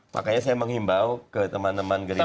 makanya saya menghimbau ke teman teman gerindra